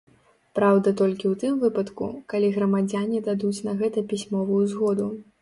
Праўда, толькі ў тым выпадку, калі грамадзяне дадуць на гэта пісьмовую згоду.